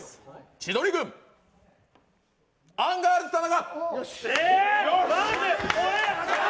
千鳥軍アンガールズ田中。